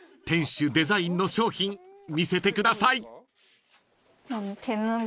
［店主デザインの商品見せてください］